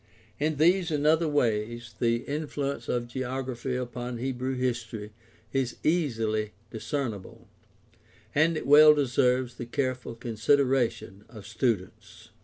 In these and other ways the influence of geography upon Hebrew history is easily discernible, and it well deserves the careful consideration of students.